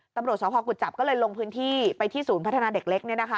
ตำรวจสภกุจจับก็เลยลงพื้นที่ไปที่ศูนย์พัฒนาเด็กเล็ก